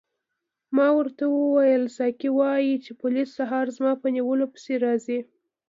ما ورته وویل ساقي وایي چې پولیس سهار زما په نیولو پسې راځي.